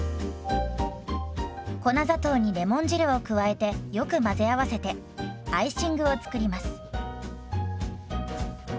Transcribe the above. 粉砂糖にレモン汁を加えてよく混ぜ合わせてアイシングを作ります。